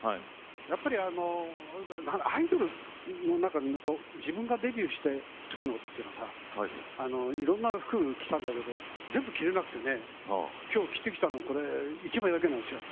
やっぱりアイドルの中のこう自分がデビューしたときのっていうのはさいろんな服着たんだけど全部着れなくてねきょう着てきたのこれ１枚だけなんですよ。